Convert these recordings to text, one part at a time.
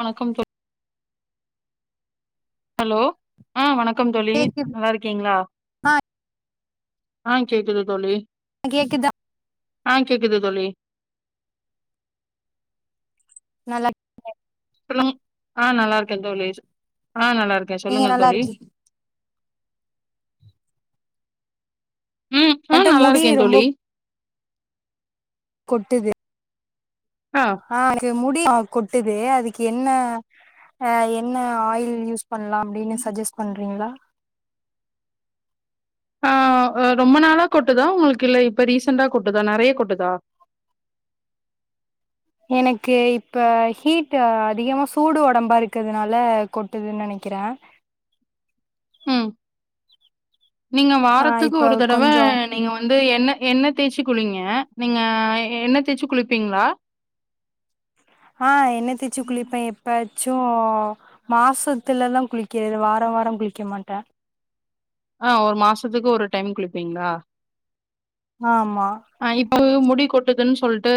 வணக்கம் தே ஹலோ ஆ வணக்கம் தோழி கேக்குது நல்லா இருக் டீங்ளா ஆ ஆ கேக்குது தோழி ஆ கேக்குதா ஆ கேக்குது தோழி நலா சொல்லுங் ஆ நல்லாயிருக்கே தோழி ஆ நல்லாருக்கே நீங்க சொல்லுங்க நல்லா தோழி இருக்கி ம் ஆ பட் நல்லா முடி இருக்கே ரொம்ப தோழி கொட்டுது ஆ இங் முடி அவனுக் கொட்டுது அதுக்கு என்ன ஆ என்ன ஆயில் யூஸ் பண்லா அப்டீனு சஜ்ஜஸ் பண்றீங்களா ஆ ரொம்ப நாளா கொட்டுதா உங்களுக்கு இல்ல இப்ப ரீசெண்டா கொட்டுதா நெறைய கொட்டுதா எனக்கு இப்போ ஹீட் அதிகமா சூடு ஒடம்பா இருக்கிறதுனால கொட்டுதுன் நெனைக்கிறே ம் நீங்க ஆ வாரத்துக்கு இப்ப ஒரு தடவ கொஞ்சோ நீங்க வந்து எண்ணெ எண்ணெ தேய்ச்சு குளிங்க நீங்க எண்ணெ தேயச்சு குளிப்பீங்களா ஆ எண்ணெ தேய்ச்சு குளிப்பே எப்பாச்சூ மாசத்துலதா குளிக்கே வாரோ வாரோ குளிக்க மாட்டே ஆ ஒரு மாசத்துக்கு ஒரு டைம் குளிப்பீங்களா ஆமா ஆ இப்ப முடி கொட்டுதுன் சொல்ட்டு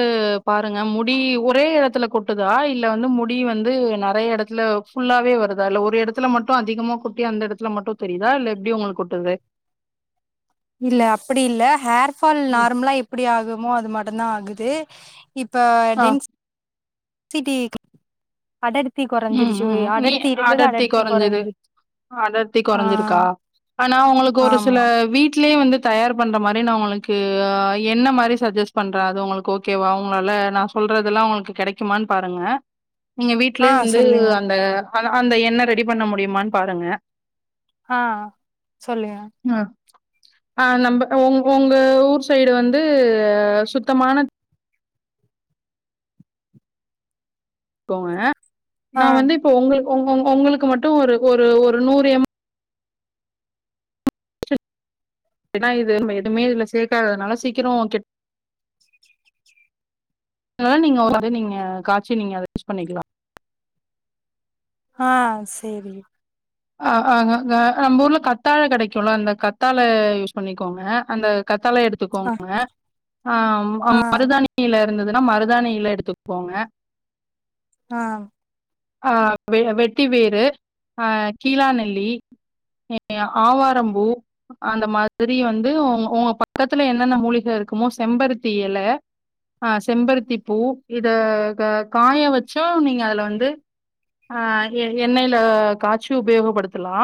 பாருங்க முடி ஒரே எடத்துல கொட் டுதா இல்ல வந்து முடி வந்து நெறைய எடத்துல ஃபுல்லாவே வருதா இல்ல ஒரு எடத்துல மட்டு அதிகமா கொட்டி அந்த எடத் ல மட்டு தெரியுா இல்ல எப்டி உங்களுக் கொட்டுது இல்ல அப்படி இல்ல ஹேர் ஃபால் ம். நார்மலா எப்டி ஆகுமோ அது மட்டுதா ஆகுது இப்ப ஆ. டென்ஸ்சிட்டி அடர்த்தி ம், கொறஞ்சிருச்சிவே ம். நீ அடர்த்தி இருந்தது அடர்த்தி கொறஞ்சது. கொறஞ்சிர்ச்சி அடர்த்தி கொறஞ்சிருக்கா ஆனா உங்களுக்கு ஒரு சில ஆமா வீட்லே வந்து தயார் பண்ற மாரி நா உங்களுக்கு என்ன மாரி சஜெஸ்ட் பண்றே அது உங்களுக்கு ஓகேவா உங்களால நா சொல்றதெல்லா உங்களுக்கு கெடைக்குமான் பாருங்க நீங்க வீட் ஆ லே வந்து சொல்லுங்க அந்த அந்த எண்ணெ ரெடி பண்ண முடியுமான் பாருங்க ஆ சொல்லுங்க ஆ நம்ப ஒங் உங்க ஊர் சைடு வந்து சுத்தமான கோங்க ஆ நா வந்து இப்போ ஒங்களுக்கு ஒங் ஒங் உங்களுக்கு மட்டு ஒரு ஒரு ஒரு நூறு எம் ஏனா இது நம்ப எதுமே இதுல சேக்காததுனால சீக்கிரோ கெட் அதலா நீங்க ஒரு [inaudible] நீங்க காச்சி நீங்க அத யூஸ் பண்ணிக்கலா ஆ சேரி அ அ ந ந நம்பூர்ல கத்தாழ கெடைக்குல்ல அந்த கத்தாழ யூஸ் பண்ணிக்கோங்க அந்த கத்தாழய எடுத் ஆ துக்கோங்க ஆ அ ஆ மருதானி எல இருந்ததுனா மருதானி இல எடுத்துக்கோங்க ஆ ஆ வெ வெட்டி வேறு அ கீழாநெல்லி ஏ ஆவாரம்பூ அந்த மாதிரி வந்து உ உங்க பக்கத்துல என்னென்ன மூலிக இருக்குமோ செம்பருத்தி எல ஆ செம்பருத்தி பூ இத கா காய வச்சோ நீங்க அதுல வந்து ஆ எ எண்ணெய்ல காச்சி உபயோகப் படுத்தலா